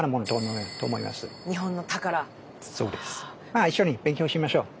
まあ一緒に勉強しましょう。